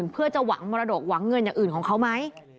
เพื่อจะหวังมรดกหวังเงินอย่างอื่นของเขาไหม